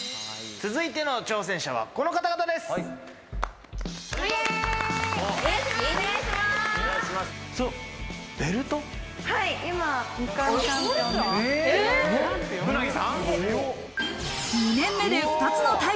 続いての挑戦者はこの方々でイェイ！